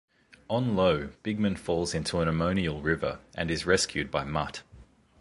On Io, Bigman falls into an ammonial river, and is rescued by Mutt.